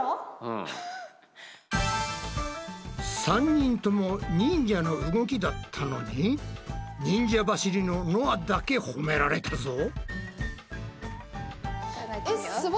３人とも忍者の動きだったのに忍者走りののあだけ褒められたぞ。